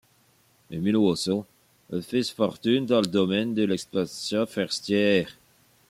Émile Ouosso a fait sa fortune dans le domaine de l'exploitation forestière.